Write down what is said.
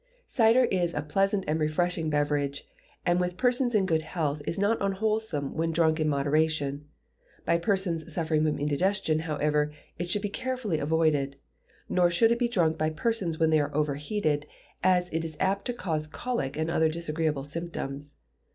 Cider is a pleasant and refreshing beverage, and with persons in good health is not unwholesome when drunk in moderation. By persons suffering from indigestion, however, it should be carefully avoided; nor should it be drunk by persons when they are overheated, as it is apt to cause colic and other disagreeable symptoms.